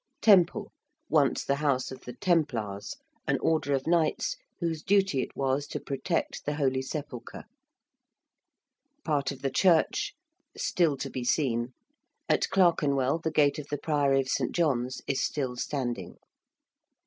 ~Temple~: once the house of the ~Templars~, an order of knights whose duty it was to protect the Holy Sepulchre. ~part of the church ... still to be seen~: at Clerkenwell the gate of the priory of St. John's is still standing.